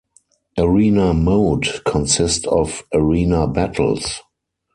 Arena Mode consist of arena battles.